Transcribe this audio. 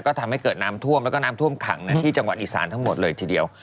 ก็ทำให้เกิดน้ำท่วมแล้วก็น้ำท่วมขังที่จังหวัดอีสานทั้งหมดเลยทีเดียว